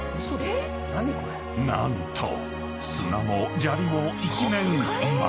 ［何と砂も砂利も一面］